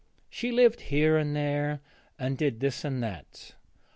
She lived here and there, and did this and that.